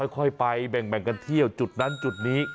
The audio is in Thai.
ค่อยไปแบ่งกันเที่ยวจุดนั้นจุดนี้